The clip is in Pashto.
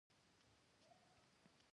نن احمد علي ته دوه زره افغانۍ نغدې ورکړلې.